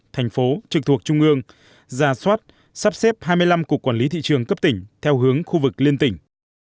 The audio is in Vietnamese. thành phố trực thuộc trung ương ra soát sắp xếp hai mươi năm cục quản lý thị trường cấp tỉnh theo hướng khu vực liên tỉnh